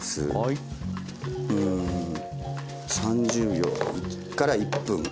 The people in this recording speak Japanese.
３０秒から１分。